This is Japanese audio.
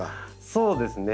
そうですね。